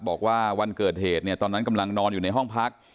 บอกว่าวันเกิดเหตุเนี่ยตอนนั้นกำลังนอนอยู่ในห้องพัก